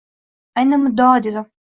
Ayni muddao, dedim